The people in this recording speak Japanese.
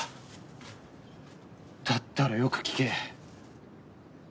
だったらよく聞け。